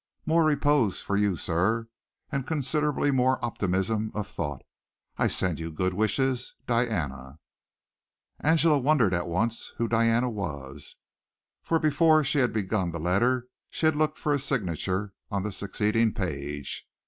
More repose for you, sir, and considerably more optimism of thought. I send you good wishes. Diana." Angela wondered at once who Diana was, for before she had begun the letter she had looked for the signature on the succeeding page.